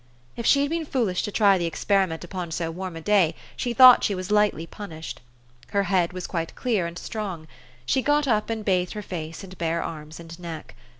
If she had been foolish to try the ex periment upon so warm a day, she thought she was lightly punished. Her head was quite clear and strong. She got up, and bathed her face and bare arms and neck.